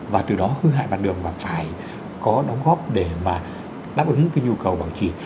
và từ đó hư hại mặt đường mà phải có đóng góp để mà đáp ứng cái nhu cầu bảo trì